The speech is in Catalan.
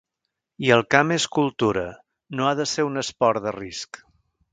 I el camp és cultura, no ha de ser un esport de risc.